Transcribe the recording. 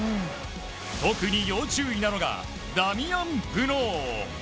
特に要注意なのがダミアン・プノー。